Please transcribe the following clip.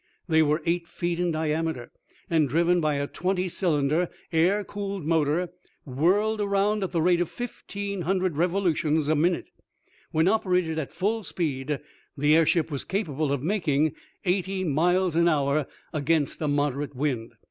They were eight feet in diameter, and driven by a twenty cylinder, air cooled, motor, whirled around at the rate of fifteen hundred revolutions a minute. When operated at full speed the airship was capable of making eighty miles an hour, against a moderate wind.